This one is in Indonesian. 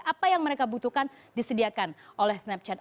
apa yang mereka butuhkan disediakan oleh snapchat